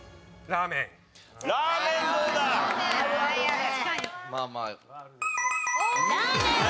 ラーメンね。